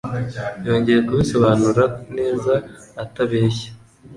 Yongeye kubisobanura neza ata beshya.